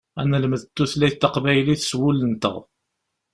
Ad nelmed tutlayt taqbaylit s wul-nteɣ.